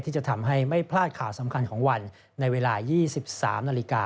ที่จะทำให้ไม่พลาดข่าวสำคัญของวันในเวลา๒๓นาฬิกา